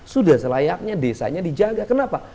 sudah selayaknya desanya dijaga kenapa